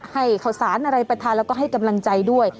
ให้ข่าวสารอะไรไปทานแล้วก็ให้กำลังใจด้วย